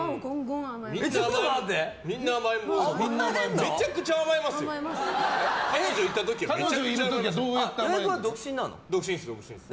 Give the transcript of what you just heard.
めちゃくちゃ甘えますよ。